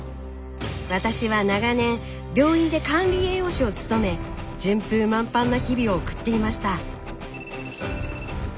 私は長年病院で管理栄養士を務め順風満帆な日々を送っていました。